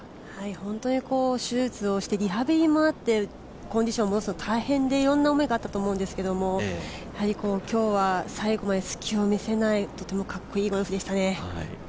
本当に手術をしてリハビリもあって、コンディション戻すの大変でいろんな思いがあったと思うんですけど今日は最後まで隙を見せない、とてもかっこいいゴルフでしたね。